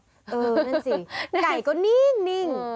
เออนั่นจริงไก่ก็นิ่ง